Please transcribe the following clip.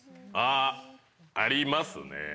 ありますね。